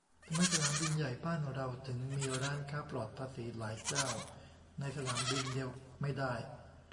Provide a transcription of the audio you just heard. ทำไมสนามบินใหญ่บ้านเราถึงมีร้านค้าปลอดภาษีหลายเจ้าในสนามบินเดียวไม่ได้